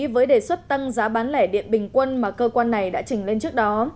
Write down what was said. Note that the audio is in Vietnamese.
với đề xuất tăng giá bán lẻ điện bình quân mà cơ quan này đã trình lên trước đó